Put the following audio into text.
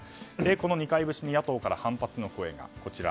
この二階節に野党から反発の声が。